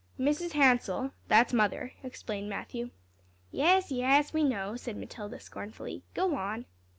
"'Mrs. Hansell' that's Mother," explained Matthew. "Yes, yes, we know," said Matilda, scornfully; "go on."